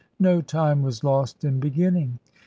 No time was lost in beginning.